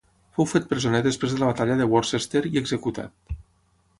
Fou fet presoner després de la batalla de Worcester i executat.